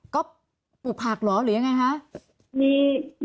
ก็ปลูกผักเหรอหรือยังไงคะ